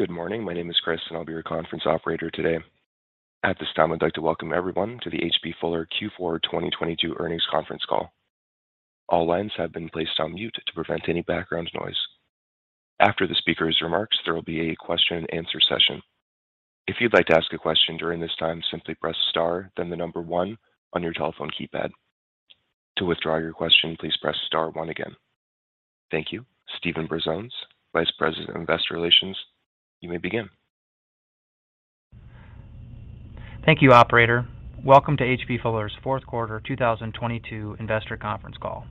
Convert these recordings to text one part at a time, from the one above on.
Good morning. My name is Chris. I'll be your conference operator today. At this time, I'd like to welcome everyone to the H.B. Fuller Q4 2022 earnings conference call. All lines have been placed on mute to prevent any background noise. After the speaker's remarks, there will be a question and answer session. If you'd like to ask a question during this time, simply press star then the 1 on your telephone keypad. To withdraw your question, please press star one again. Thank you. Steven Brazones, VP of Investor Relations, you may begin. Thank you, operator. Welcome to H.B. Fuller's Q4 2022 investor conference call.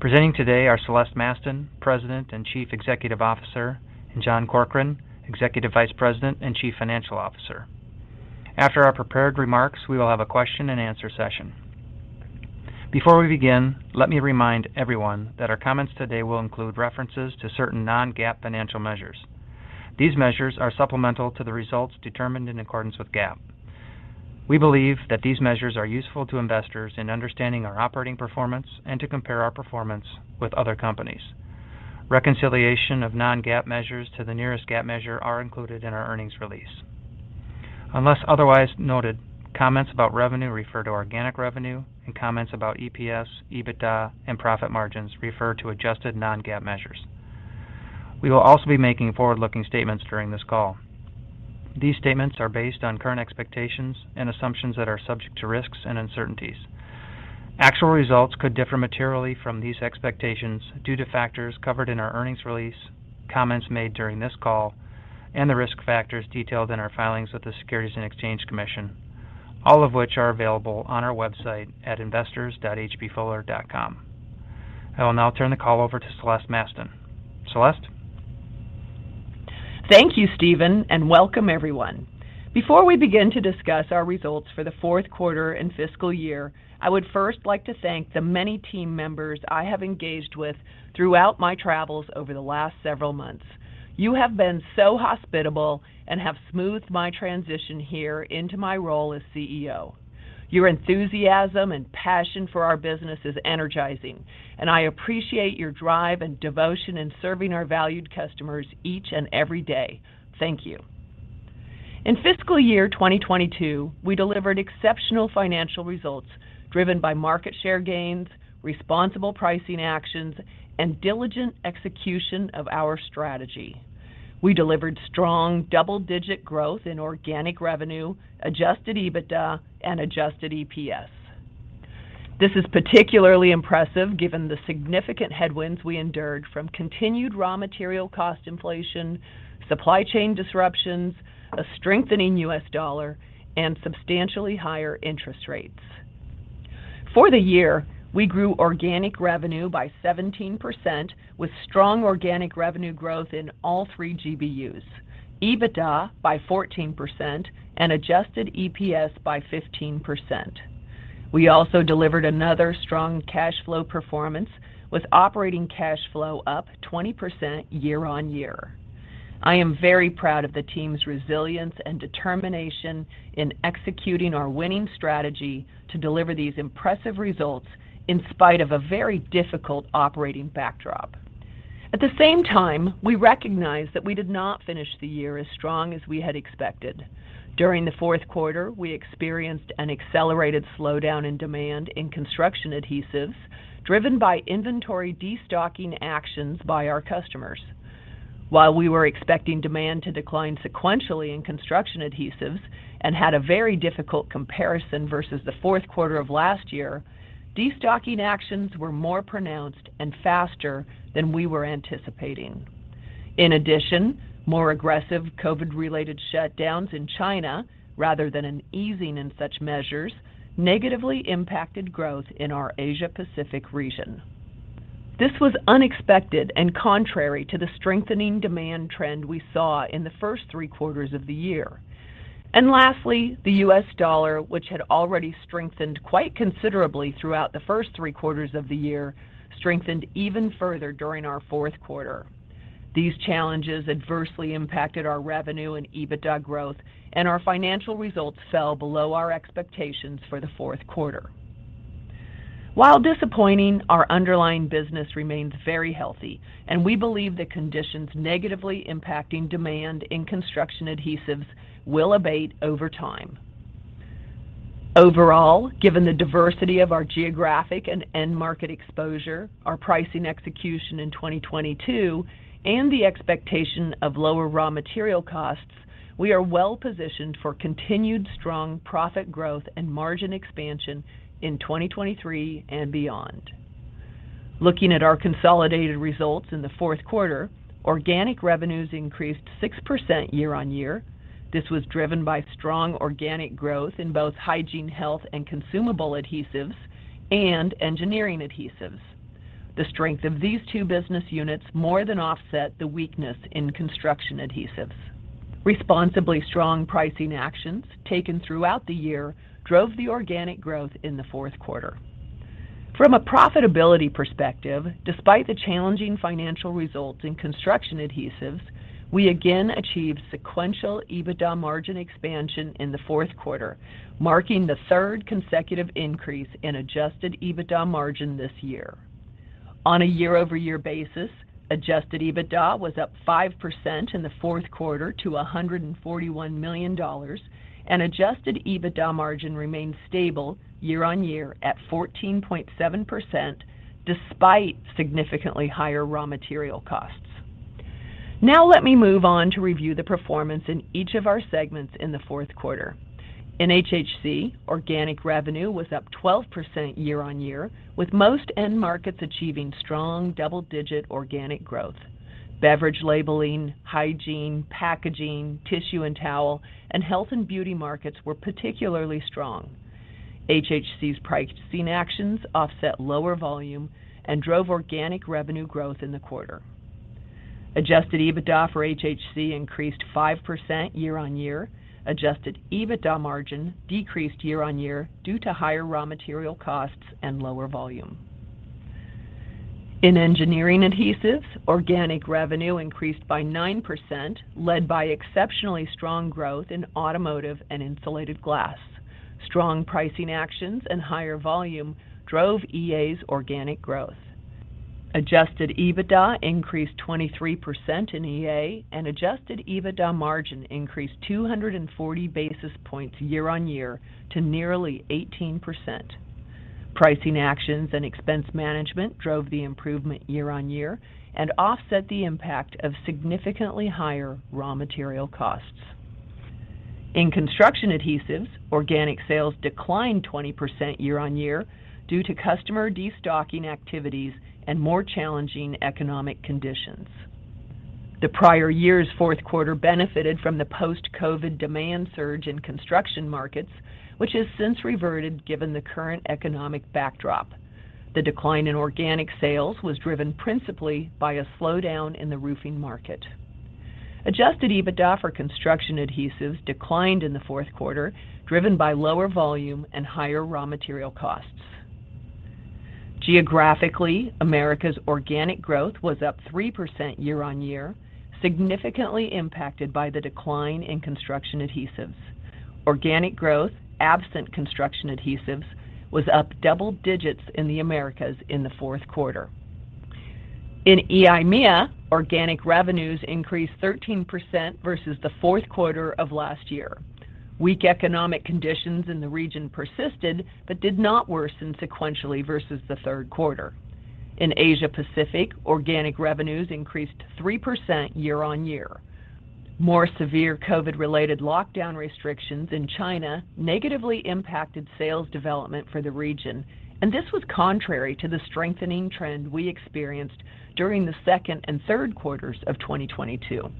Presenting today are Celeste Mastin, President and Chief Executive Officer, and John Corkrean, Executive Vice President and Chief Financial Officer. After our prepared remarks, we will have a question and answer session. Before we begin, let me remind everyone that our comments today will include references to certain non-GAAP financial measures. These measures are supplemental to the results determined in accordance with GAAP. We believe that these measures are useful to investors in understanding our operating performance and to compare our performance with other companies. Reconciliation of non-GAAP measures to the nearest GAAP measure are included in our earnings release. Unless otherwise noted, comments about revenue refer to organic revenue, and comments about EPS, EBITDA, and profit margins refer to adjusted non-GAAP measures. We will also be making forward-looking statements during this call. These statements are based on current expectations and assumptions that are subject to risks and uncertainties. Actual results could differ materially from these expectations due to factors covered in our earnings release, comments made during this call, and the risk factors detailed in our filings with the Securities and Exchange Commission, all of which are available on our website at investors.hbfuller.com. I will now turn the call over to Celeste Mastin. Celeste. Thank you, Steven. Welcome everyone. Before we begin to discuss our results for the Q4 and fiscal year, I would first like to thank the many team members I have engaged with throughout my travels over the last several months. You have been so hospitable and have smoothed my transition here into my role as CEO. Your enthusiasm and passion for our business is energizing. I appreciate your drive and devotion in serving our valued customers each and every day. Thank you. In fiscal year 2022, we delivered exceptional financial results driven by market share gains, responsible pricing actions, and diligent execution of our strategy. We delivered strong double-digit growth in organic revenue, adjusted EBITDA, and adjusted EPS. This is particularly impressive given the significant headwinds we endured from continued raw material cost inflation, supply chain disruptions, a strengthening US dollar, and substantially higher interest rates. For the year, we grew organic revenue by 17% with strong organic revenue growth in all three GBUs, EBITDA by 14%, and adjusted EPS by 15%. We also delivered another strong cash flow performance with operating cash flow up 20% year-on-year. I am very proud of the team's resilience and determination in executing our winning strategy to deliver these impressive results in spite of a very difficult operating backdrop. At the same time, we recognize that we did not finish the year as strong as we had expected. During the Q4, we experienced an accelerated slowdown in demand in Construction Adhesives driven by inventory destocking actions by our customers. While we were expecting demand to decline sequentially in Construction Adhesives and had a very difficult comparison versus the Q4 of last year, destocking actions were more pronounced and faster than we were anticipating. In addition, more aggressive COVID-related shutdowns in China rather than an easing in such measures negatively impacted growth in our Asia Pacific region. This was unexpected and contrary to the strengthening demand trend we saw in the first three quarters of the year. Lastly, the US dollar, which had already strengthened quite considerably throughout the first three quarters of the year, strengthened even further during our Q4. These challenges adversely impacted our revenue and EBITDA growth, and our financial results fell below our expectations for the Q4. While disappointing, our underlying business remains very healthy, and we believe the conditions negatively impacting demand in Construction Adhesives will abate over time. Overall, given the diversity of our geographic and end market exposure, our pricing execution in 2022, and the expectation of lower raw material costs, we are well positioned for continued strong profit growth and margin expansion in 2023 and beyond. Looking at our consolidated results in the Q4, organic revenues increased 6% year-on-year. This was driven by strong organic growth in both Hygiene, Health, and Consumable Adhesives and Engineering Adhesives. The strength of these two business units more than offset the weakness in Construction Adhesives. Responsibly strong pricing actions taken throughout the year drove the organic growth in the Q4. From a profitability perspective, despite the challenging financial results in Construction Adhesives, we again achieved sequential EBITDA margin expansion in the Q4, marking the third consecutive increase in adjusted EBITDA margin this year. A year-over-year basis, adjusted EBITDA was up 5% in the Q4 to $141 million, and adjusted EBITDA margin remained stable year-on-year at 14.7% despite significantly higher raw material costs. Let me move on to review the performance in each of our segments in the Q4. In HHC, organic revenue was up 12% year-on-year, with most end markets achieving strong double-digit organic growth. beverage labeling, hygiene, packaging, tissue and towel, and health and beauty markets were particularly strong. HHC's pricing actions offset lower volume and drove organic revenue growth in the quarter. Adjusted EBITDA for HHC increased 5% year-on-year. Adjusted EBITDA margin decreased year-on-year due to higher raw material costs and lower volume. In Engineering Adhesives, organic revenue increased by 9%, led by exceptionally strong growth in automotive and insulated glass. Strong pricing actions and higher volume drove EA's organic growth. Adjusted EBITDA increased 23% in EA, and adjusted EBITDA margin increased 240 basis points year-on-year to nearly 18%. Pricing actions and expense management drove the improvement year-on-year and offset the impact of significantly higher raw material costs. In Construction Adhesives, organic sales declined 20% year-on-year due to customer destocking activities and more challenging economic conditions. The prior year's Q4 benefited from the post-COVID demand surge in construction markets, which has since reverted given the current economic backdrop. The decline in organic sales was driven principally by a slowdown in the roofing market. Adjusted EBITDA for Construction Adhesives declined in the Q4, driven by lower volume and higher raw material costs. Geographically, Americas organic growth was up 3% year-on-year, significantly impacted by the decline in Construction Adhesives. Organic growth, absent Construction Adhesives, was up double digits in the Americas in the Q4. In EIMEA, organic revenues increased 13% versus the Q4 of last year. Weak economic conditions in the region persisted but did not worsen sequentially versus the Q3. In Asia Pacific, organic revenues increased 3% year-on-year. More severe COVID-related lockdown restrictions in China negatively impacted sales development for the region, and this was contrary to the strengthening trend we experienced during the Q2 and Q3 of 2022.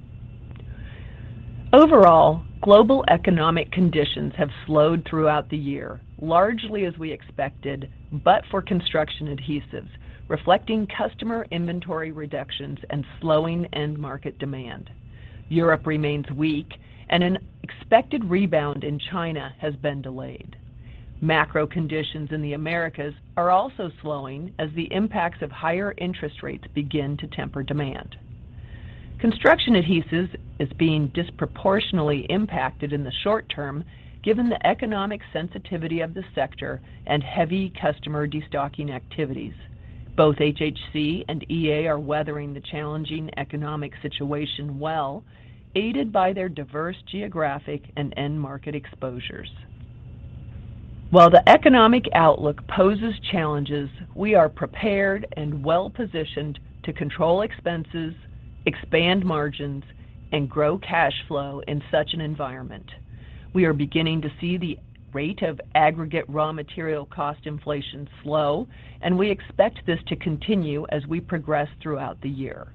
Overall, global economic conditions have slowed throughout the year, largely as we expected, but for Construction Adhesives, reflecting customer inventory reductions and slowing end market demand. Europe remains weak and an expected rebound in China has been delayed. Macro conditions in the Americas are also slowing as the impacts of higher interest rates begin to temper demand. Construction Adhesives is being disproportionately impacted in the short term given the economic sensitivity of the sector and heavy customer destocking activities. Both HHC and EA are weathering the challenging economic situation well, aided by their diverse geographic and end market exposures. While the economic outlook poses challenges, we are prepared and well-positioned to control expenses, expand margins, and grow cash flow in such an environment. We are beginning to see the rate of aggregate raw material cost inflation slow, and we expect this to continue as we progress throughout the year.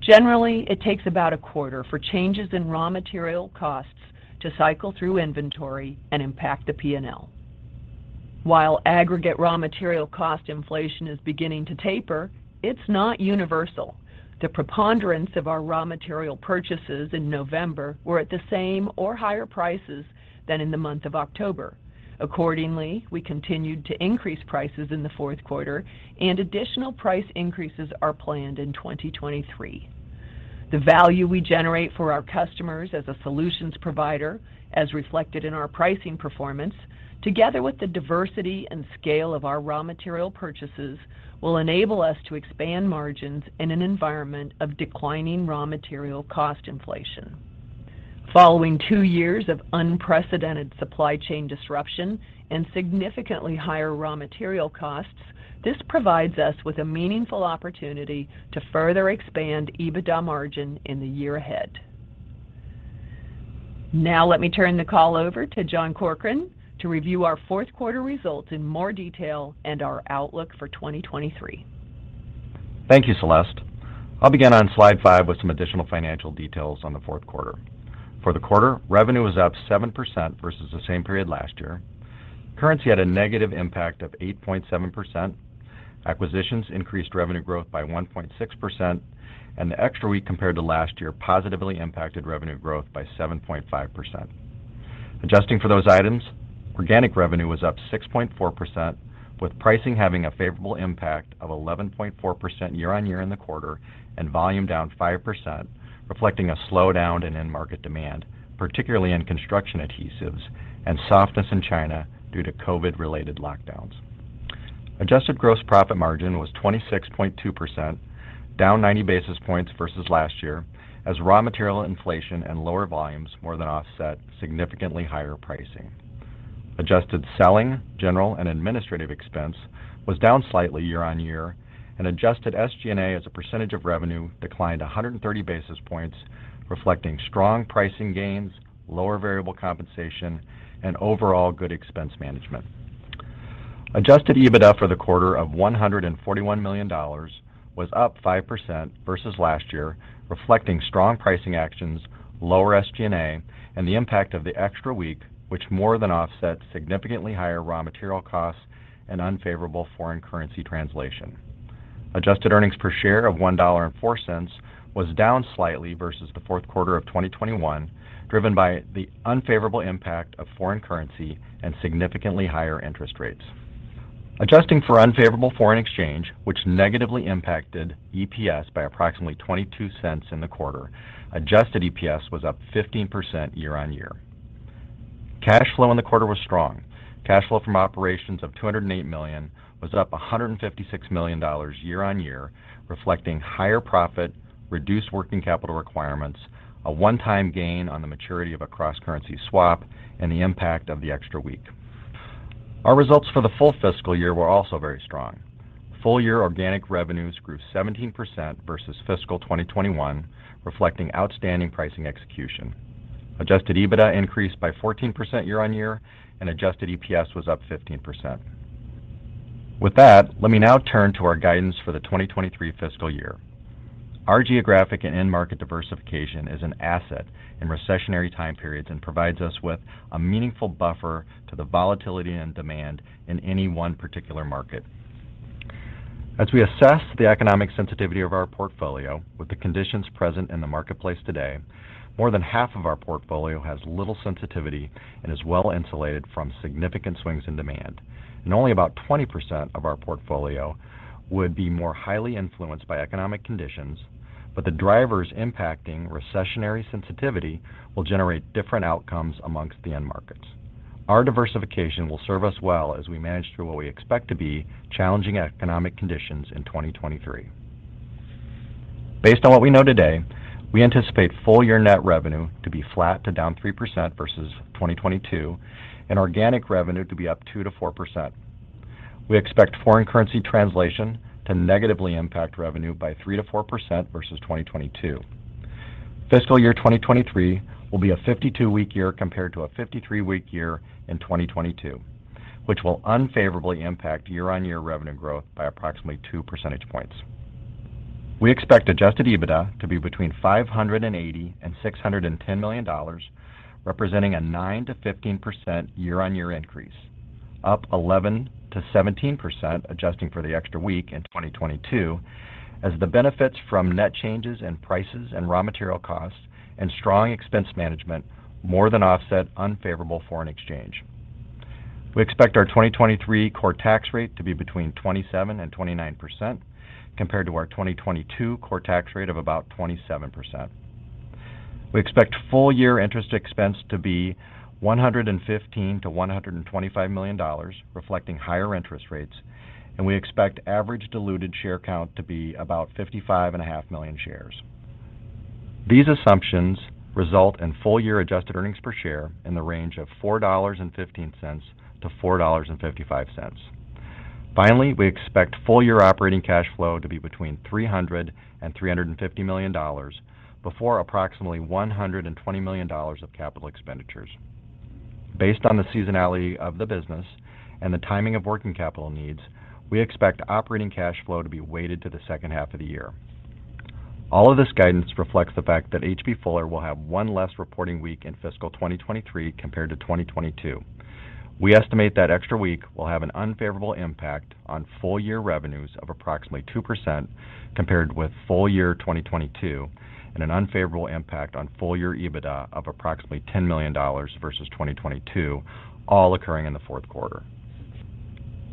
Generally, it takes about a quarter for changes in raw material costs to cycle through inventory and impact the P&L. While aggregate raw material cost inflation is beginning to taper, it's not universal. The preponderance of our raw material purchases in November were at the same or higher prices than in the month of October. We continued to increase prices in the Q4 and additional price increases are planned in 2023. The value we generate for our customers as a solutions provider, as reflected in our pricing performance, together with the diversity and scale of our raw material purchases, will enable us to expand margins in an environment of declining raw material cost inflation. Following two years of unprecedented supply chain disruption and significantly higher raw material costs, this provides us with a meaningful opportunity to further expand EBITDA margin in the year ahead. Let me turn the call over to John Corkrean to review our Q4 results in more detail and our outlook for 2023. Thank you, Celeste. I'll begin on slide 5 with some additional financial details on the Q4. For the quarter, revenue was up 7% versus the same period last year. Currency had a negative impact of 8.7%. Acquisitions increased revenue growth by 1.6%, and the extra week compared to last year positively impacted revenue growth by 7.5%. Adjusting for those items, organic revenue was up 6.4%, with pricing having a favorable impact of 11.4% year-on-year in the quarter and volume down 5%, reflecting a slowdown in end market demand, particularly in Construction Adhesives. Softness in China due to COVID-related lockdowns. Adjusted gross profit margin was 26.2%, down 90 basis points versus last year as raw material inflation and lower volumes more than offset significantly higher pricing. Adjusted selling, general, and administrative expense was down slightly year-on-year. Adjusted SG&A as a percentage of revenue declined 130 basis points, reflecting strong pricing gains, lower variable compensation, and overall good expense management. Adjusted EBITDA for the quarter of $141 million was up 5% versus last year, reflecting strong pricing actions, lower SG&A, and the impact of the extra week, which more than offset significantly higher raw material costs and unfavorable foreign currency translation. Adjusted earnings per share of $1.04 was down slightly versus the Q4 of 2021, driven by the unfavorable impact of foreign currency and significantly higher interest rates. Adjusting for unfavorable foreign exchange, which negatively impacted EPS by approximately $0.22 in the quarter. Adjusted EPS was up 15% year-on-year. Cash flow in the quarter was strong. Cash flow from operations of $208 million was up $156 million year-over-year, reflecting higher profit, reduced working capital requirements, a one-time gain on the maturity of a cross-currency swap, and the impact of the extra week. Our results for the full fiscal year were also very strong. Full-year organic revenues grew 17% versus fiscal 2021, reflecting outstanding pricing execution. Adjusted EBITDA increased by 14% year-over-year, and adjusted EPS was up 15%. Let me now turn to our guidance for the 2023 fiscal year. Our geographic and end market diversification is an asset in recessionary time periods and provides us with a meaningful buffer to the volatility and demand in any one particular market. As we assess the economic sensitivity of our portfolio with the conditions present in the marketplace today, more than half of our portfolio has little sensitivity and is well insulated from significant swings in demand. Only about 20% of our portfolio would be more highly influenced by economic conditions. The drivers impacting recessionary sensitivity will generate different outcomes amongst the end markets. Our diversification will serve us well as we manage through what we expect to be challenging economic conditions in 2023. Based on what we know today, we anticipate full year net revenue to be flat to down 3% versus 2022 and organic revenue to be up 2%-4%. We expect foreign currency translation to negatively impact revenue by 3%-4% versus 2022. Fiscal year 2023 will be a 52-week year compared to a 53-week year in 2022, which will unfavorably impact year-on-year revenue growth by approximately 2 percentage points. We expect adjusted EBITDA to be between $580 million and $610 million, representing a 9%-15% year-on-year increase, up 11%-17%, adjusting for the extra week in 2022 as the benefits from net changes in prices and raw material costs and strong expense management more than offset unfavorable foreign exchange. We expect our 2023 core tax rate to be between 27% and 29% compared to our 2022 core tax rate of about 27%. We expect full year interest expense to be $115 million-$125 million, reflecting higher interest rates. We expect average diluted share count to be about 55.5 million shares. These assumptions result in full year adjusted earnings per share in the range of $4.15-$4.55. We expect full year operating cash flow to be between $300 million and $350 million before approximately $120 million of capital expenditures. Based on the seasonality of the business and the timing of working capital needs, we expect operating cash flow to be weighted to the second half of the year. All of this guidance reflects the fact that H.B. Fuller will have one less reporting week in fiscal 2023 compared to 2022. We estimate that extra week will have an unfavorable impact on full year revenues of approximately 2% compared with full year 2022 and an unfavorable impact on full year EBITDA of approximately $10 million versus 2022, all occurring in the Q4.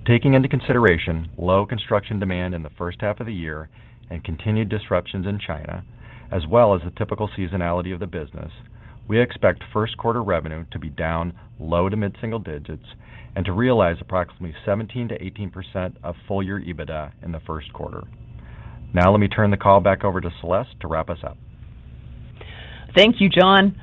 Taking into consideration low construction demand in the first half of the year and continued disruptions in China, as well as the typical seasonality of the business, we expect Q1 revenue to be down low to mid-single digits and to realize approximately 17%-18% of full year EBITDA in the Q1. Let me turn the call back over to Celeste to wrap us up. Thank you, John.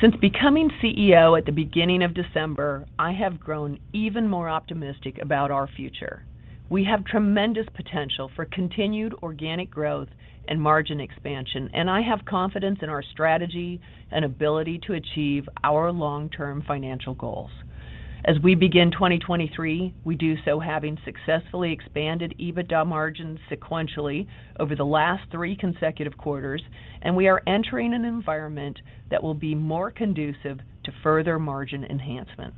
Since becoming CEO at the beginning of December, I have grown even more optimistic about our future. We have tremendous potential for continued organic growth and margin expansion, and I have confidence in our strategy and ability to achieve our long-term financial goals. As we begin 2023, we do so having successfully expanded EBITDA margins sequentially over the last 3 consecutive quarters, and we are entering an environment that will be more conducive to further margin enhancement.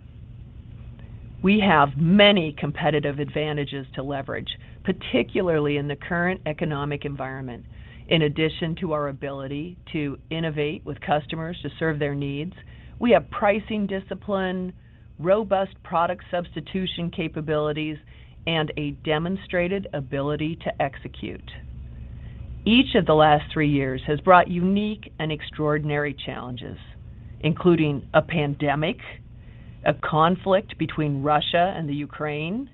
We have many competitive advantages to leverage, particularly in the current economic environment. In addition to our ability to innovate with customers to serve their needs, we have pricing discipline, robust product substitution capabilities, and a demonstrated ability to execute. Each of the last three years has brought unique and extraordinary challenges, including a pandemic, a conflict between Russia and the Ukraine,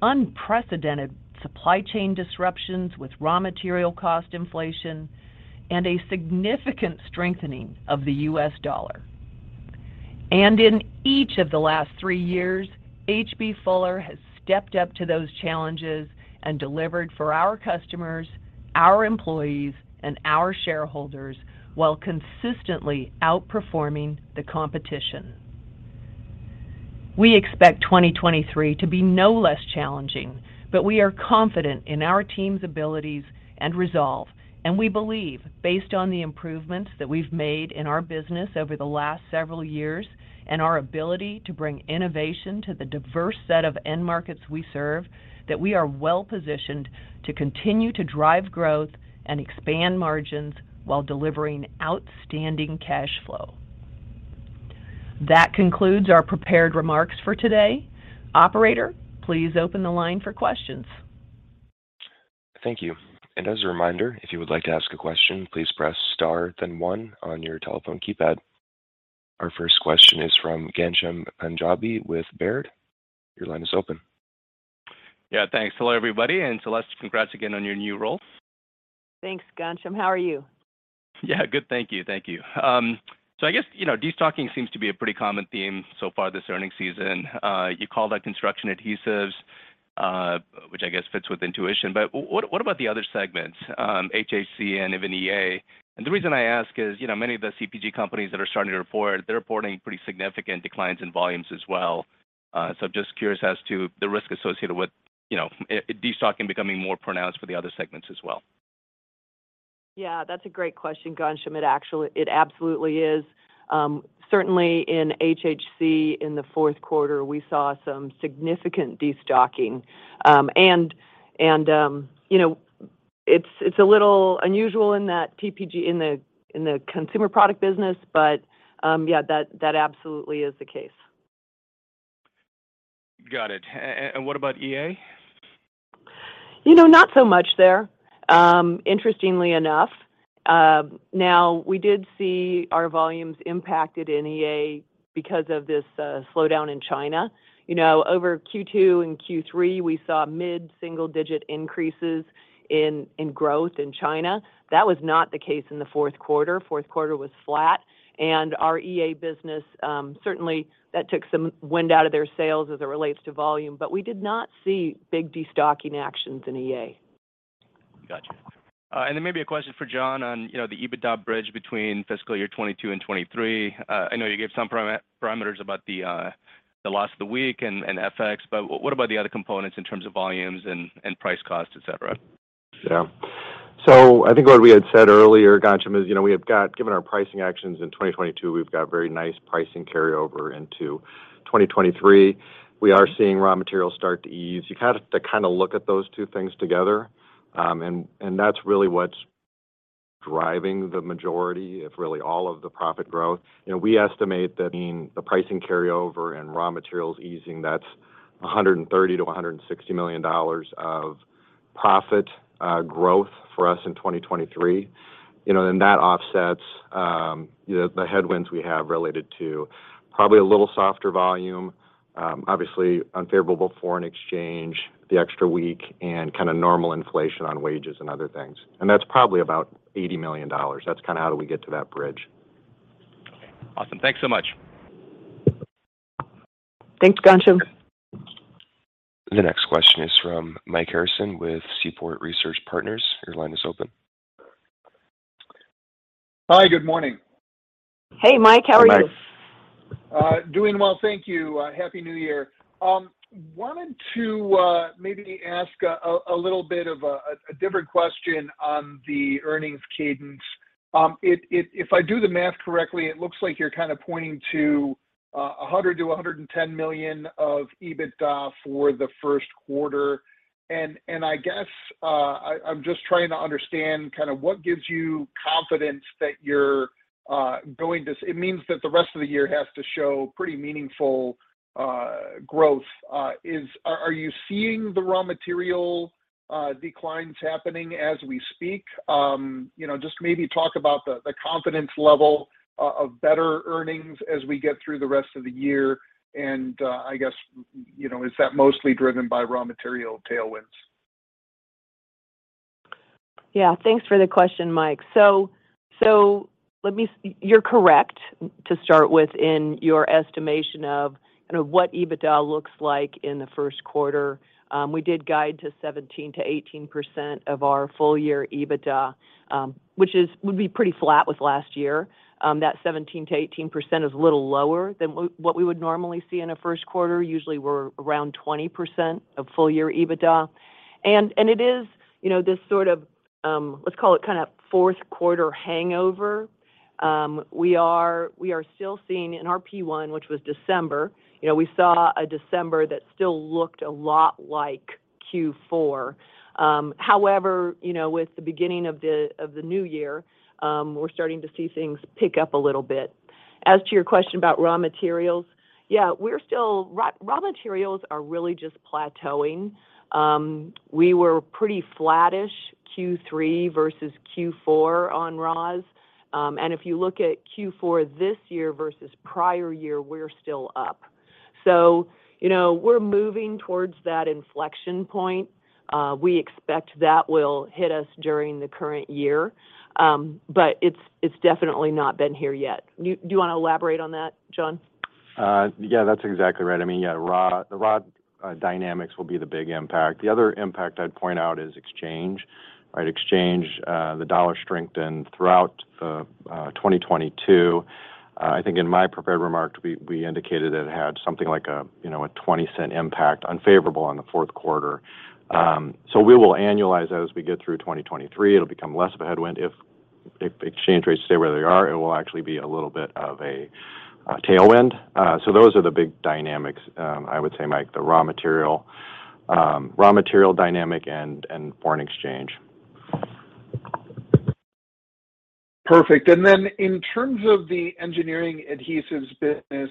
unprecedented supply chain disruptions with raw material cost inflation, and a significant strengthening of the US dollar. In each of the last three years, H.B. Fuller has stepped up to those challenges and delivered for our customers, our employees, and our shareholders while consistently outperforming the competition. We expect 2023 to be no less challenging, but we are confident in our team's abilities and resolve, and we believe, based on the improvements that we've made in our business over the last several years and our ability to bring innovation to the diverse set of end markets we serve, that we are well-positioned to continue to drive growth and expand margins while delivering outstanding cash flow. That concludes our prepared remarks for today. Operator, please open the line for questions. Thank you. As a reminder, if you would like to ask a question, please press star then 1 on your telephone keypad. Our first question is from Ghansham Panjabi with Baird. Your line is open. Yeah, thanks. Hello, everybody. Celeste, congrats again on your new role. Thanks, Ghansham. How are you? Good, thank you. Thank you. I guess, you know, destocking seems to be a pretty common theme so far this earnings season. You called out Construction Adhesives, which I guess fits with intuition, but what about the other segments, HHC and even EA? The reason I ask is, you know, many of the CPG companies that are starting to report, they're reporting pretty significant declines in volumes as well. I'm just curious as to the risk associated with, you know, destocking becoming more pronounced for the other segments as well. Yeah, that's a great question, Ghansham. It absolutely is. Certainly in HHC in the Q4, we saw some significant destocking. You know, it's a little unusual in that CPG in the consumer product business, but, yeah, that absolutely is the case. Got it. What about EA? You know, not so much there, interestingly enough. Now, we did see our volumes impacted in EA because of this slowdown in China. You know, over Q2 and Q3, we saw mid-single-digit increases in growth in China. That was not the case in the Q4. Q4 was flat. Our EA business, certainly that took some wind out of their sails as it relates to volume. We did not see big destocking actions in EA. Gotcha. Then maybe a question for John on, you know, the EBITDA bridge between fiscal year 2022 and 2023. I know you gave some parameters about the loss of the week and FX, what about the other components in terms of volumes and price cost, et cetera? I think what we had said earlier, Ghansham, is, you know, we've got given our pricing actions in 2022, we've got very nice pricing carryover into 2023. We are seeing raw materials start to ease. You have to kind of look at those two things together. That's really what's driving the majority of really all of the profit growth. You know, we estimate that in the pricing carryover and raw materials easing, that's $130 million-$160 million of profit growth for us in 2023. You know, that offsets, you know, the headwinds we have related to probably a little softer volume, obviously unfavorable foreign exchange, the extra week, and kind of normal inflation on wages and other things. That's probably about $80 million. That's kind of how do we get to that bridge. Okay. Awesome. Thanks so much. Thanks, Ghansham. The next question is from Mike Harrison with Seaport Research Partners. Your line is open. Hi, good morning. Hey, Mike. How are you? Hi, Mike. Doing well, thank you. Happy New Year. Wanted to maybe ask a little bit of a different question on the earnings cadence. If I do the math correctly, it looks like you're kind of pointing to $100 million-$110 million of EBITDA for the Q1. I guess, I'm just trying to understand kind of what gives you confidence that you're going to. It means that the rest of the year has to show pretty meaningful growth. Are you seeing the raw material declines happening as we speak? You know, just maybe talk about the confidence level of better earnings as we get through the rest of the year. I guess, you know, is that mostly driven by raw material tailwinds? Yeah. Thanks for the question, Mike. Let me, you're correct to start with in your estimation of, you know, what EBITDA looks like in the Q1. We did guide to 17%-18% of our full-year EBITDA, which would be pretty flat with last year. That 17%-18% is a little lower than what we would normally see in a Q1. Usually, we're around 20% of full-year EBITDA. It is, you know, this sort of, let's call it kind of Q4 hangover. We are still seeing in our P one, which was December, you know, we saw a December that still looked a lot like Q4. However, you know, with the beginning of the, of the new year, we're starting to see things pick up a little bit. As to your question about raw materials, yeah, we're still Raw materials are really just plateauing. We were pretty flattish Q3 versus Q4 on raws. If you look at Q4 this year versus prior year, we're still up. You know, we're moving towards that inflection point. We expect that will hit us during the current year, but it's definitely not been here yet. Do you wanna elaborate on that, John? Yeah, that's exactly right. I mean, yeah, the raw dynamics will be the big impact. The other impact I'd point out is exchange, right? Exchange, the US dollar strengthened throughout 2022. I think in my prepared remarks, we indicated it had something like a, you know, a $0.20 impact unfavorable on the Q4. So we will annualize that as we get through 2023. It'll become less of a headwind if exchange rates stay where they are, it will actually be a little bit of a tailwind. So those are the big dynamics, I would say, Mike, the raw material dynamic and foreign exchange. Perfect. Then in terms of the Engineering Adhesives business,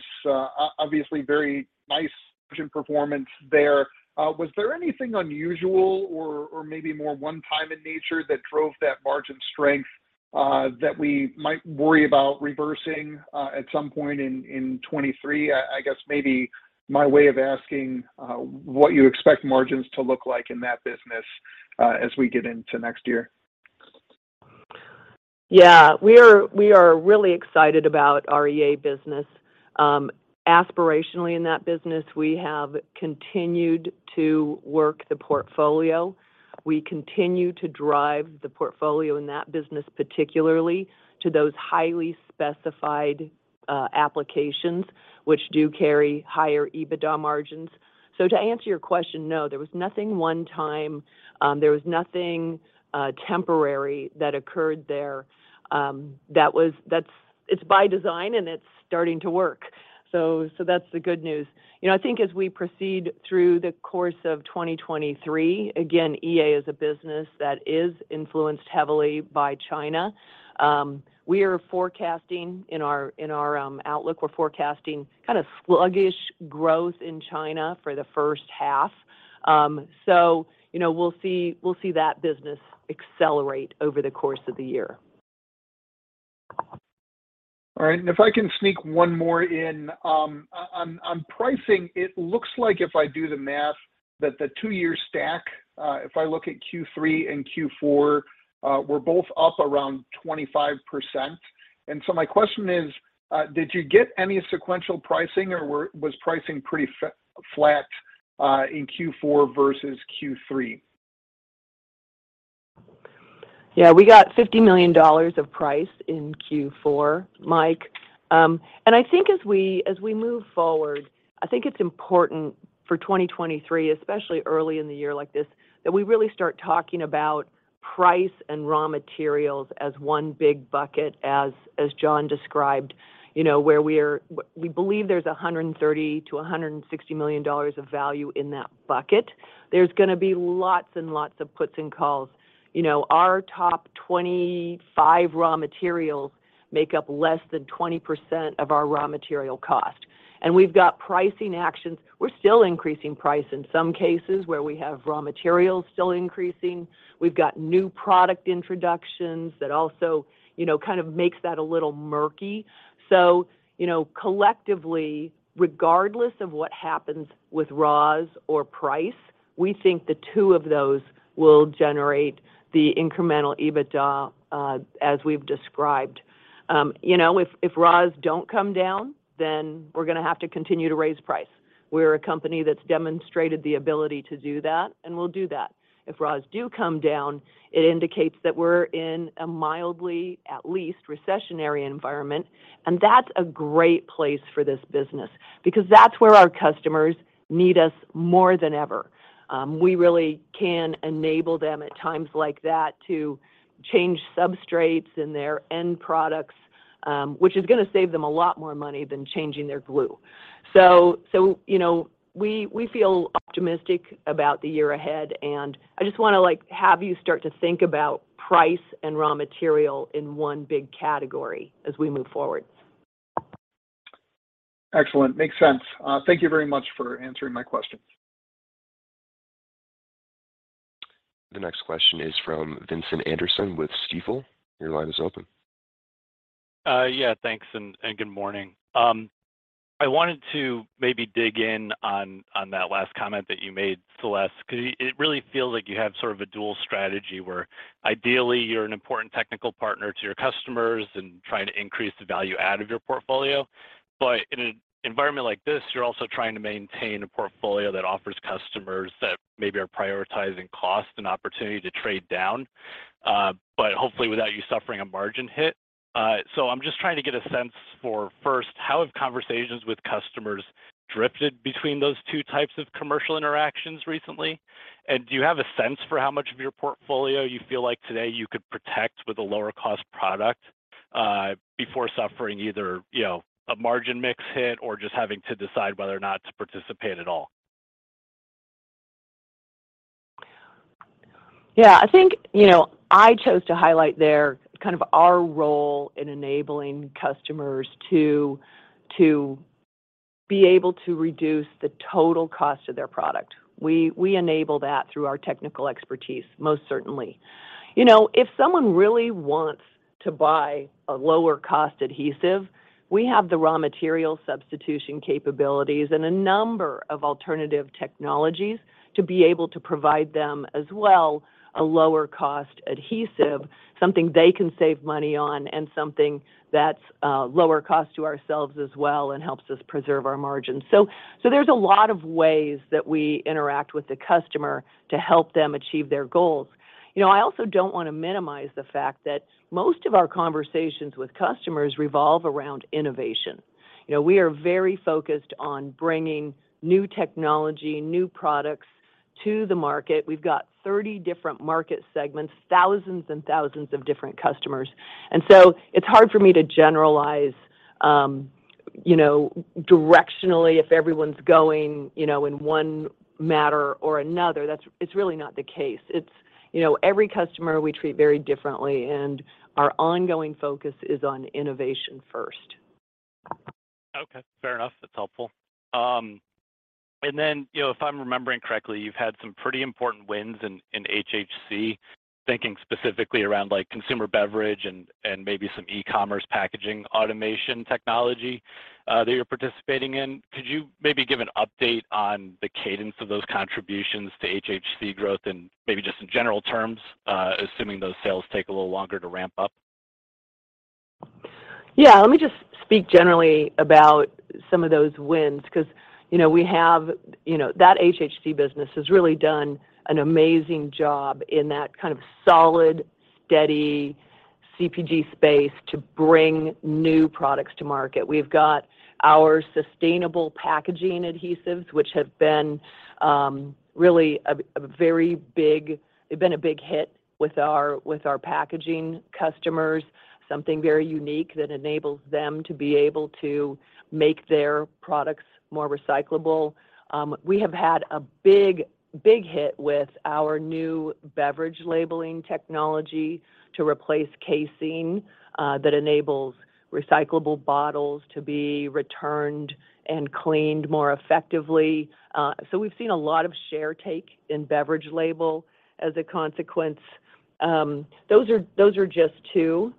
obviously very nice margin performance there. Was there anything unusual or maybe more one-time in nature that drove that margin strength, that we might worry about reversing, at some point in 23? I guess maybe my way of asking, what you expect margins to look like in that business, as we get into next year. Yeah. We are really excited about our EA business. Aspirationally in that business, we have continued to work the portfolio. We continue to drive the portfolio in that business, particularly to those highly specified applications which do carry higher EBITDA margins. To answer your question, no, there was nothing one time, there was nothing temporary that occurred there, that's by design, and it's starting to work. That's the good news. You know, I think as we proceed through the course of 2023, again, EA is a business that is influenced heavily by China. We are forecasting in our outlook, we're forecasting kind of sluggish growth in China for the first half. You know, we'll see that business accelerate over the course of the year. All right. If I can sneak one more in, on pricing, it looks like if I do the math, that the two-year stack, if I look at Q3 and Q4, were both up around 25%. My question is, did you get any sequential pricing, or was pricing pretty flat, in Q4 versus Q3? Yeah. We got $50 million of price in Q4, Mike. I think as we move forward, I think it's important for 2023, especially early in the year like this, that we really start talking about price and raw materials as one big bucket as John described. You know, we believe there's $130 million-$160 million of value in that bucket. There's gonna be lots and lots of puts and calls. You know, our top 25 raw materials make up less than 20% of our raw material cost. We've got pricing actions. We're still increasing price in some cases where we have raw materials still increasing. We've got new product introductions that also, you know, kind of makes that a little murky. You know, collectively, regardless of what happens with raws or price, we think the two of those will generate the incremental EBITDA as we've described. You know, if raws don't come down, then we're gonna have to continue to raise price. We're a company that's demonstrated the ability to do that, and we'll do that. If raws do come down, it indicates that we're in a mildly, at least, recessionary environment, and that's a great place for this business because that's where our customers need us more than ever. We really can enable them at times like that to change substrates in their end products, which is gonna save them a lot more money than changing their glue. You know, we feel optimistic about the year ahead, and I just wanna, like, have you start to think about price and raw material in one big category as we move forward. Excellent. Makes sense. Thank you very much for answering my question. The next question is from Vincent Anderson with Stifel. Your line is open. Yeah, thanks, and good morning. I wanted to maybe dig in on that last comment that you made, Celeste, 'cause it really feels like you have sort of a dual strategy where ideally you're an important technical partner to your customers and trying to increase the value add of your portfolio. In an environment like this, you're also trying to maintain a portfolio that offers customers that maybe are prioritizing cost and opportunity to trade down, but hopefully without you suffering a margin hit. I'm just trying to get a sense for, first, how have conversations with customers drifted between those two types of commercial interactions recently, and do you have a sense for how much of your portfolio you feel like today you could protect with a lower cost product, before suffering either, you know, a margin mix hit or just having to decide whether or not to participate at all? I think, you know, I chose to highlight there kind of our role in enabling customers to be able to reduce the total cost of their product. We enable that through our technical expertise, most certainly. You know, if someone really wants to buy a lower cost adhesive, we have the raw material substitution capabilities and a number of alternative technologies to be able to provide them as well a lower cost adhesive, something they can save money on and something that's lower cost to ourselves as well and helps us preserve our margins. There's a lot of ways that we interact with the customer to help them achieve their goals. You know, I also don't wanna minimize the fact that most of our conversations with customers revolve around innovation. You know, we are very focused on bringing new technology, new products to the market. We've got 30 different market segments, thousands and thousands of different customers. It's hard for me to generalize, you know, directionally if everyone's going, you know, in one matter or another. It's really not the case. It's You know, every customer we treat very differently, and our ongoing focus is on innovation first. Okay, fair enough. That's helpful. You know, if I'm remembering correctly, you've had some pretty important wins in HHC, thinking specifically around, like, consumer beverage and maybe some e-commerce packaging automation technology that you're participating in. Could you maybe give an update on the cadence of those contributions to HHC growth and maybe just in general terms, assuming those sales take a little longer to ramp up? Yeah. Let me just speak generally about some of those wins because, you know, we have. You know, that HHC business has really done an amazing job in that kind of solid, steady CPG space to bring new products to market. We've got our sustainable packaging adhesives, which have been a big hit with our packaging customers, something very unique that enables them to be able to make their products more recyclable. We have had a big hit with our new beverage labeling technology to replace casing, that enables recyclable bottles to be returned and cleaned more effectively. We've seen a lot of share take in beverage label as a consequence. Those are just two.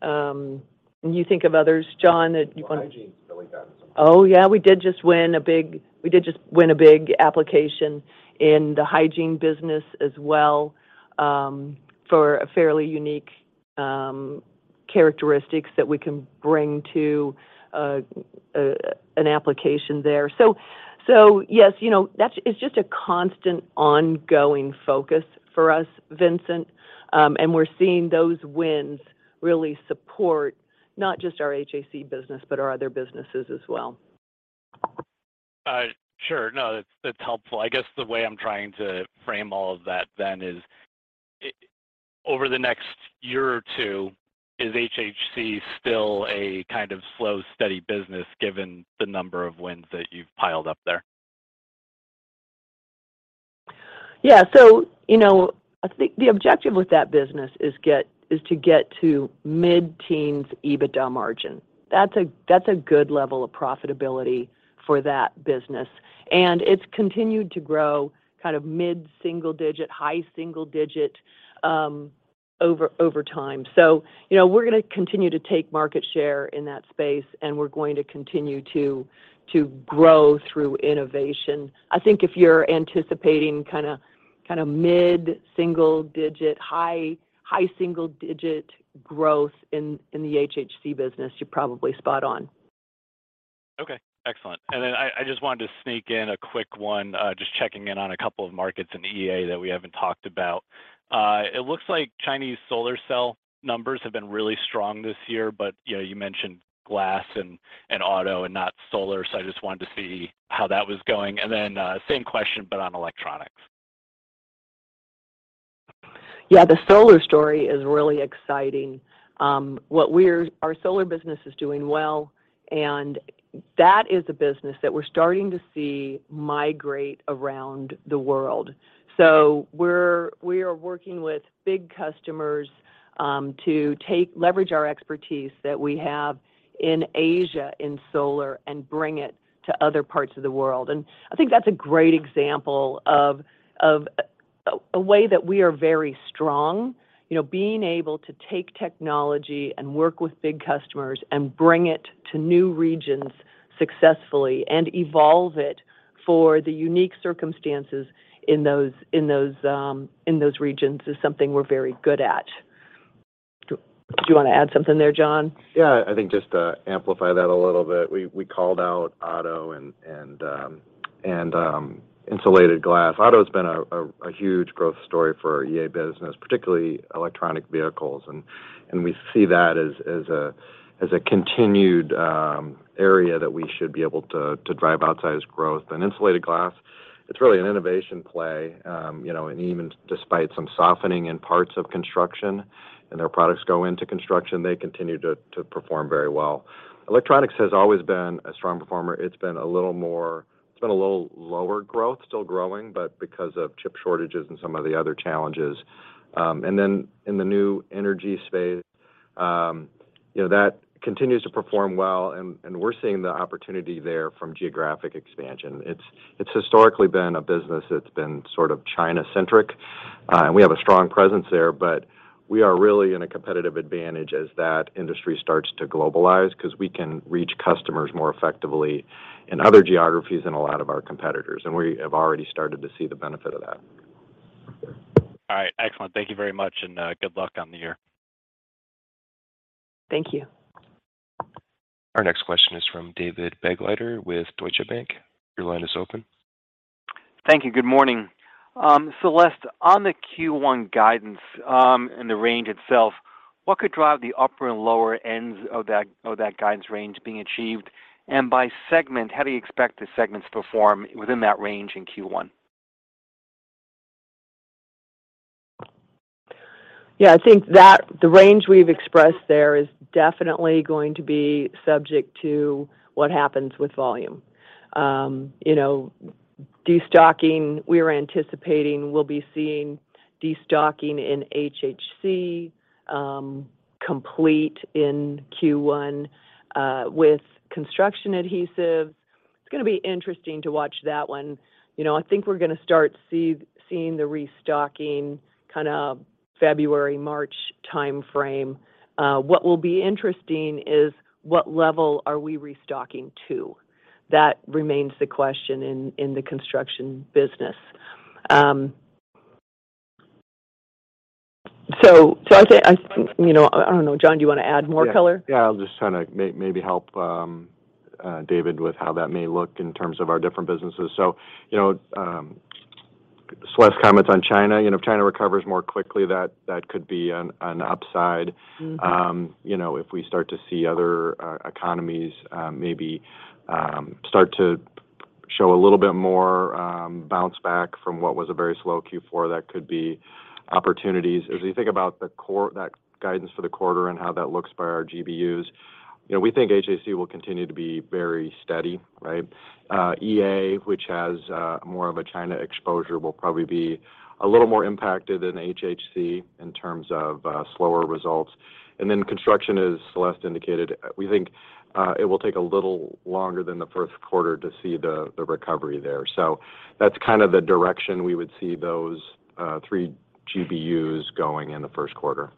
Can you think of others, John, that you? Well, Hygiene's really done some things. Oh, yeah, we did just win a big application in the hygiene business as well, for a fairly unique characteristics that we can bring to an application there. So yes, you know, it's just a constant ongoing focus for us, Vincent. We're seeing those wins really support not just our HHC business, but our other businesses as well. Sure. No, that's helpful. I guess the way I'm trying to frame all of that then is over the next year or two, is HHC still a kind of slow, steady business given the number of wins that you've piled up there? Yeah. you know, I think the objective with that business is to get to mid-teens EBITDA margin. That's a good level of profitability for that business, and it's continued to grow kind of mid-single digit, high single digit over time. you know, we're gonna continue to take market share in that space, and we're going to continue to grow through innovation. I think if you're anticipating kinda mid-single digit, high single digit growth in the HHC business, you're probably spot on. Okay. Excellent. I just wanted to sneak in a quick one, just checking in on a couple of markets in EA that we haven't talked about. It looks like Chinese solar cell numbers have been really strong this year, but, you know, you mentioned glass and auto and not solar, so I just wanted to see how that was going. Same question, but on electronics. The solar story is really exciting. Our solar business is doing well, and that is a business that we're starting to see migrate around the world. We are working with big customers to leverage our expertise that we have in Asia in solar and bring it to other parts of the world. I think that's a great example of a way that we are very strong. You know, being able to take technology and work with big customers and bring it to new regions successfully and evolve it for the unique circumstances in those regions is something we're very good at. Do you wanna add something there, John? Yeah, I think just to amplify that a little bit. We called out auto and insulated glass. Auto's been a huge growth story for EA business, particularly electronic vehicles, and we see that as a continued area that we should be able to drive outsized growth. Insulated glass, it's really an innovation play. You know, and even despite some softening in parts of construction, and their products go into construction, they continue to perform very well. Electronics has always been a strong performer. It's been a little lower growth. Still growing, but because of chip shortages and some of the other challenges. Then in the new energy space, you know, that continues to perform well, and we're seeing the opportunity there from geographic expansion. It's historically been a business that's been sort of China-centric. We have a strong presence there, but we are really in a competitive advantage as that industry starts to globalize, 'cause we can reach customers more effectively in other geographies than a lot of our competitors, and we have already started to see the benefit of that. All right. Excellent. Thank you very much, and, good luck on the year. Thank you. Our next question is from David Begleiter with Deutsche Bank. Your line is open. Thank you. Good morning. Celeste, on the Q1 guidance, and the range itself, what could drive the upper and lower ends of that guidance range being achieved? By segment, how do you expect the segments to perform within that range in Q1? I think that the range we've expressed there is definitely going to be subject to what happens with volume. You know, destocking, we're anticipating we'll be seeing destocking in HHC complete in Q1. With Construction Adhesives, it's gonna be interesting to watch that one. You know, I think we're gonna start seeing the restocking kinda February, March timeframe. What will be interesting is what level are we restocking to? That remains the question in the construction business. So I say you know, I don't know. John, do you wanna add more color? Yeah, yeah, I'll just try to maybe help, David with how that may look in terms of our different businesses. You know, Celeste's comments on China. You know, if China recovers more quickly, that could be an upside. Mm-hmm. you know, if we start to see other economies, maybe start to show a little bit more bounce back from what was a very slow Q4, that could be opportunities. As you think about that guidance for the quarter and how that looks by our GBUs, you know, we think HHC will continue to be very steady, right? EA, which has more of a China exposure, will probably be a little more impacted than HHC in terms of slower results. Construction, as Celeste Mastin indicated, we think it will take a little longer than the Q1 to see the recovery there. That's kind of the direction we would see those three GBUs going in the Q1.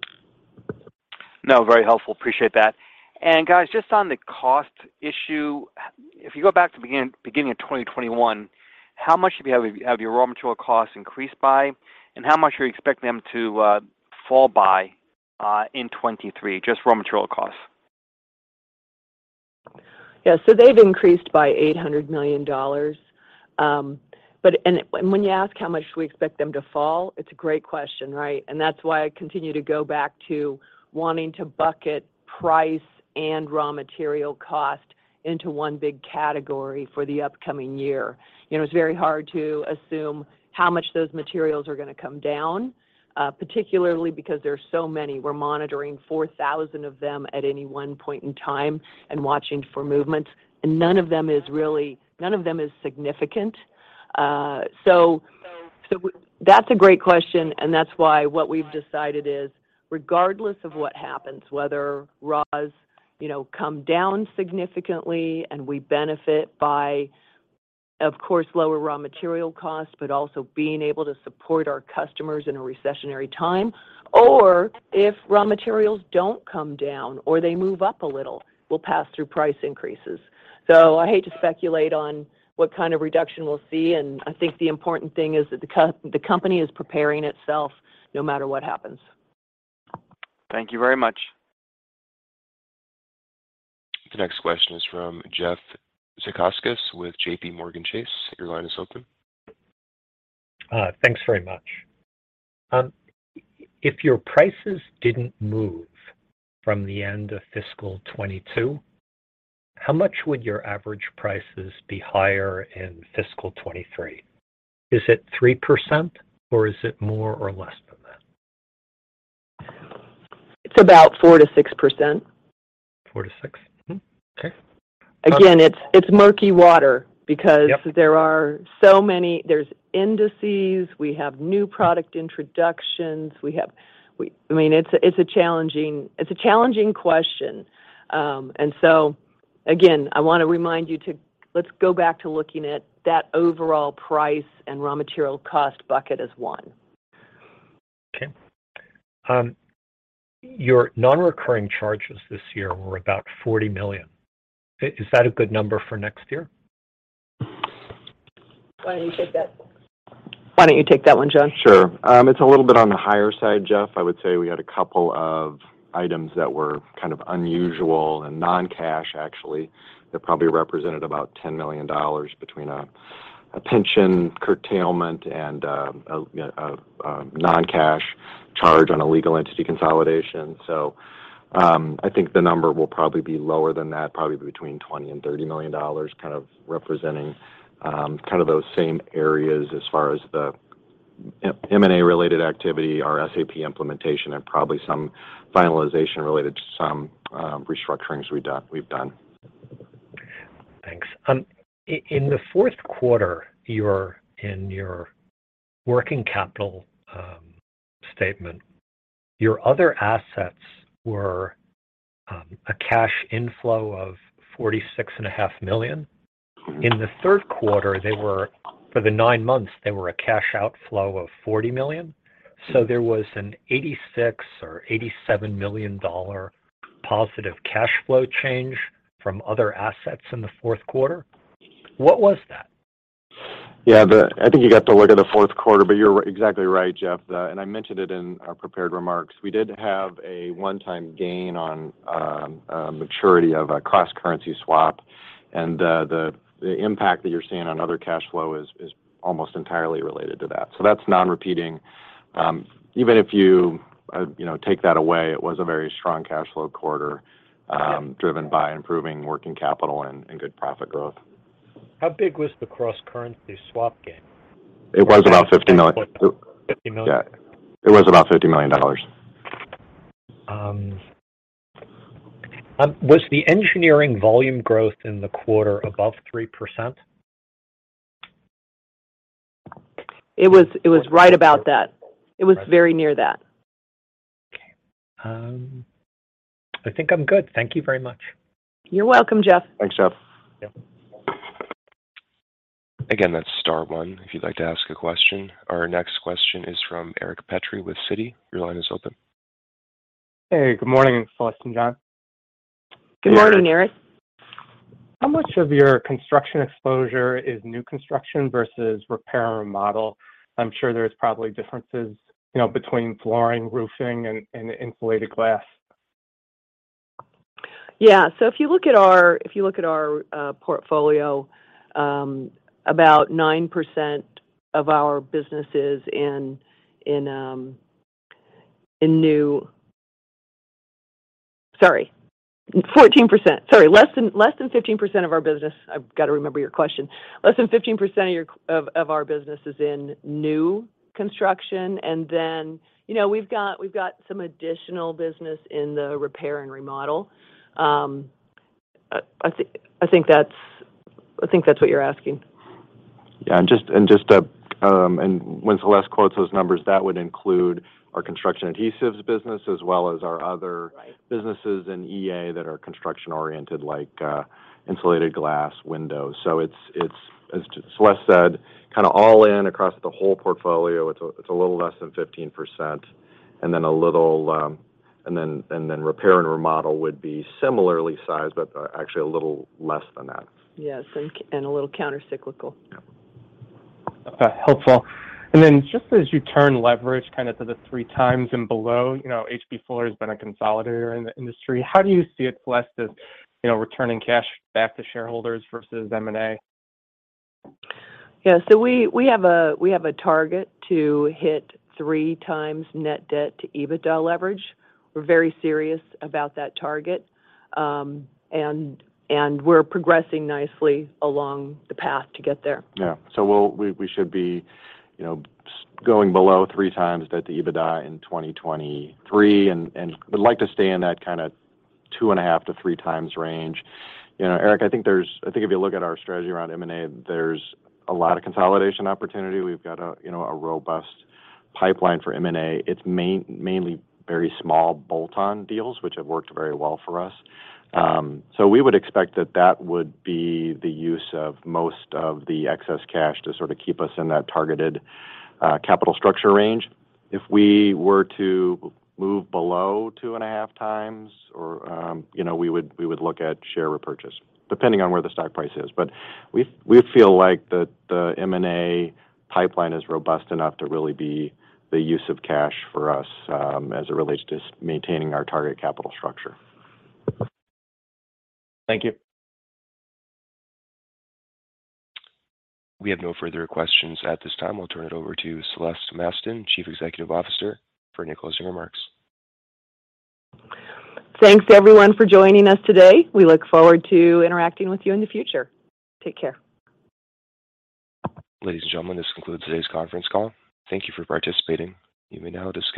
No, very helpful. Appreciate that. Guys, just on the cost issue, if you go back to beginning of 2021, how much have you, have your raw material costs increased by, and how much are you expecting them to fall by in 2023? Just raw material costs. Yeah. They've increased by $800 million. When you ask how much we expect them to fall, it's a great question, right? That's why I continue to go back to wanting to bucket price and raw material cost into one big category for the upcoming year. You know, it's very hard to assume how much those materials are gonna come down, particularly because there are so many. We're monitoring 4,000 of them at any one point in time and watching for movement, and none of them is significant. So that's a great question, and that's why what we've decided is, regardless of what happens. Whether raws, you know, come down significantly and we benefit by, of course, lower raw material costs, but also being able to support our customers in a recessionary time, or if raw materials don't come down or they move up a little, we'll pass through price increases. I hate to speculate on what kind of reduction we'll see, and I think the important thing is that the company is preparing itself no matter what happens. Thank you very much. The next question is from Jeff Zekauskas with JPMorgan Chase. Your line is open. Thanks very much. If your prices didn't move from the end of fiscal 2022, how much would your average prices be higher in fiscal 2023? Is it 3%, or is it more or less than that? It's about 4%-6%. Four to six? Mm-hmm. Okay. Again, it's murky water because. Yep there are so many. There's indices. We have new product introductions. I mean, it's a challenging question. again, I wanna remind you let's go back to looking at that overall price and raw material cost bucket as one. Okay. Your non-recurring charges this year were about $40 million. Is that a good number for next year? Why don't you take that? Why don't you take that one, John? Sure. It's a little bit on the higher side, Jeff. I would say we had a couple of items that were kind of unusual and non-cash actually. They probably represented about $10 million between a pension curtailment and a non-cash charge on a legal entity consolidation. I think the number will probably be lower than that, probably between $20 million and $30 million, kind of representing kind of those same areas as far as the M&A related activity, our SAP implementation, and probably some finalization related to some restructurings we've done. Thanks. In the Q4, in your working capital statement, your other assets were a cash inflow of forty-six and a half million dollars. In the Q3, for the 9 months, they were a cash outflow of 40 million dollars. There was an $86 million or $87 million dollar positive cash flow change from other assets in the Q4. What was that? Yeah. I think you got the look of the Q4, but you're exactly right, Jeff. I mentioned it in our prepared remarks. We did have a one-time gain on maturity of a cross-currency swap. The impact that you're seeing on other cash flow is almost entirely related to that. That's non-repeating. Even if you know, take that away, it was a very strong cash flow quarter, driven by improving working capital and good profit growth. How big was the cross-currency swap gain? It was about $50 million. $50 million? Yeah. It was about $50 million. Was the Engineering volume growth in the quarter above 3%? It was right about that. It was very near that. Okay. I think I'm good. Thank you very much. You're welcome, Jeff. Thanks, Jeff. Yep. Again, that's star 1 if you'd like to ask a question. Our next question is from Eric Petrie with Citi. Your line is open. Hey, good morning, Celeste and John. Good morning, Eric. How much of your construction exposure is new construction versus repair and remodel? I'm sure there's probably differences, you know, between flooring, roofing, and insulated glass. Yeah. If you look at our portfolio, about 9% of our business is in. Sorry. 14%. Sorry, less than 15% of our business. I've got to remember your question. Less than 15% of our business is in new construction, you know, we've got some additional business in the repair and remodel. I think that's what you're asking. Yeah. Just to. When Celeste quotes those numbers, that would include our Construction Adhesives business as well as our other- Right businesses in EA that are construction oriented, like insulated glass windows. It's, it's, as Celeste said, kind of all in across the whole portfolio. It's a, it's a little less than 15%. A little, and then, and then repair and remodel would be similarly sized, but actually a little less than that. Yes, a little counter cyclical. Yeah. Okay. Helpful. Just as you turn leverage kind of to the 3 times and below, you know, H.B. Fuller has been a consolidator in the industry. How do you see it less as, you know, returning cash back to shareholders versus M&A? Yeah. We have a target to hit three times net debt to EBITDA leverage. We're very serious about that target. And we're progressing nicely along the path to get there. Yeah. We should be, you know, going below 3 times debt to EBITDA in 2023. We'd like to stay in that kinda 2.5-3 times range. You know, Eric, I think if you look at our strategy around M&A, there's a lot of consolidation opportunity. We've got a, you know, a robust pipeline for M&A. It's mainly very small bolt-on deals, which have worked very well for us. We would expect that that would be the use of most of the excess cash to sort of keep us in that targeted capital structure range. If we were to move below 2.5 times or, you know, we would look at share repurchase, depending on where the stock price is. We feel like the M&A pipeline is robust enough to really be the use of cash for us, as it relates to maintaining our target capital structure. Thank you. We have no further questions at this time. We'll turn it over to Celeste Mastin, CEO, for any closing remarks. Thanks everyone for joining us today. We look forward to interacting with you in the future. Take care. Ladies and gentlemen, this concludes today's conference call. Thank you for participating. You may now disconnect.